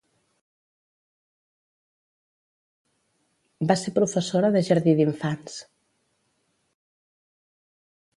Va ser professora de jardí d'infants.